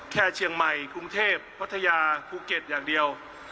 แค่เชียงใหม่กรุงเทพพัทยาภูเก็ตอย่างเดียว